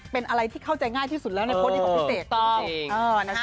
เป็นอะไรที่เข้าใจง่ายที่สุดแล้วในโพสต์นี้ของพิเศษ